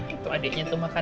itu adiknya tuh makan